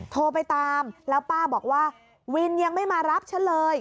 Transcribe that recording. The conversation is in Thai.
โทรไปตามแล้วป้าบอกว่าวินยังไม่มารับฉันเลย